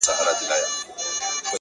څو؛ د ژوند په دې زوال کي کړې بدل؛